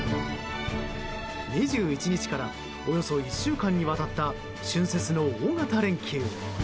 ２１日からおよそ１週間にわたった春節の大型連休。